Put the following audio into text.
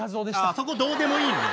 そこどうでもいいのよ